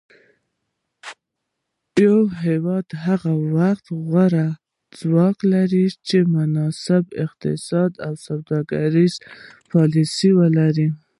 یو هیواد هغه وخت غوره ځواک لري چې مناسب اقتصادي او سوداګریزې پالیسي ولري